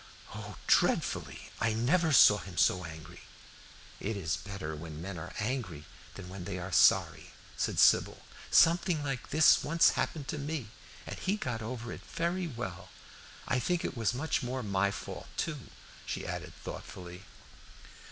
"Oh, dreadfully! I never saw him so angry." "It is better when men are angry than when they are sorry," said Sybil. "Something like this once happened to me, and he got over it very well. I think it was much more my fault, too," she added thoughtfully.